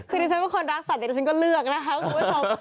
คือดิฉันเป็นคนรักสัตว์ฉันก็เลือกนะคะคุณผู้ชม